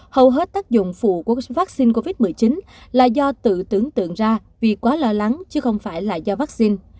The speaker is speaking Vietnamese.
hầu hết tác dụng phụ của vaccine covid một mươi chín là do tự tưởng tượng ra vì quá lo lắng chứ không phải là do vaccine